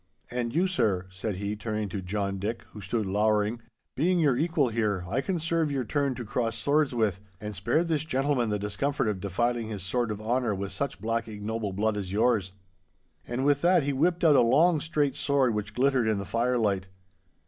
And you, sir,' said he, turning to John Dick, who stood lowering, 'being your equal here, I can serve your turn to cross swords with—and spare this gentleman the discomfort of defiling his sword of honour with such black ignoble blood as yours.' And with that he whipped out a long, straight sword which glittered in the firelight.